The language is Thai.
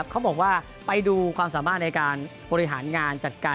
เขาบอกว่าไปดูความสามารถในการบริหารงานจัดการ